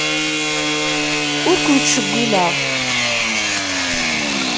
Ur ken-ttcewwileɣ.